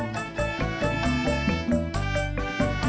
bisa telat bak